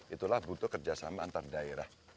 itulah butuh kerjasama antar daerah